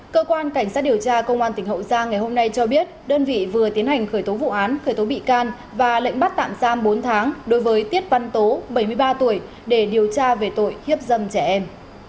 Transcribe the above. cơ quan cảnh sát điều tra công an tỉnh hậu giang ngày hôm nay cho biết đơn vị vừa tiến hành khởi tố vụ án khởi tố bị can và lệnh bắt tạm giam bốn tháng đối với tiết văn tố bảy mươi ba tuổi để điều tra về tội hiếp dâm trẻ em